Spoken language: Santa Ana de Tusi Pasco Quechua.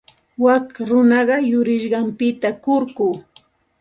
Wak runaqa yurisqanpita kurku.